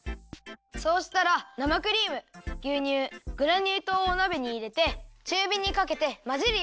そうしたら生クリームぎゅうにゅうグラニューとうをおなべにいれてちゅうびにかけてまぜるよ。